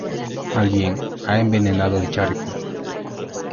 Alguien ha envenenado el charco.